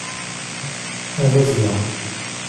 Ad azzleɣ.